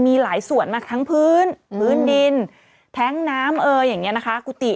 มีหลายส่วนมาทั้งพื้นพื้นดินแท๊งน้ำกุฏิ